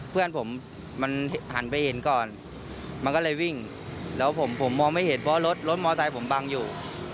เพื่อนผมมันหันไปเห็นก่อนมันก็เลยวิ่งแล้วผมมองไม่เห็นเพราะรถรถมอไซค์ผมบังอยู่